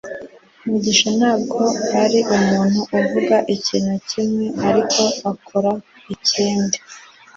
mugisha ntabwo ari umuntu uvuga ikintu kimwe ariko akora ikindi